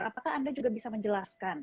apakah anda juga bisa menjelaskan